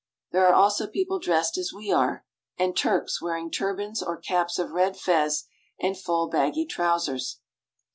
There are also people dressed as we are, and Turks wearing turbans or caps of red fez, and full baggy trousers.